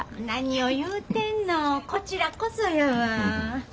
何を言うてんのこちらこそやわ。